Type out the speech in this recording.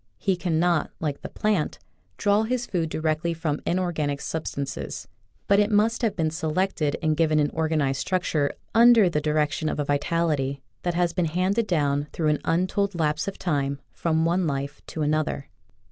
He cannot, like the plant, draw his food directly from inorganic sub stances, but it must have been selected and given an organized structure under the direc tion of a vitality that has been handed down, through an untold lapse of time, from one life to another.